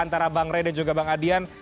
antara bang rai dan juga bang adrian